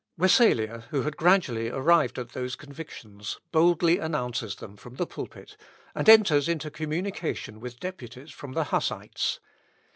Wessalia, who had gradually arrived at those convictions, boldly announces them from the pulpit, and enters into communication with deputies from the Hussites.